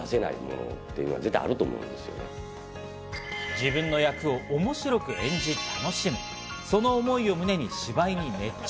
自分の役を面白く演じる、楽しむ、その思いを胸に芝居に熱中。